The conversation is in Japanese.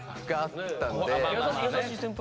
優しい先輩。